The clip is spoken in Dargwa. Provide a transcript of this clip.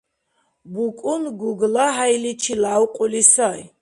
БукӀун ГуглахӀяйчи лявкьули сай.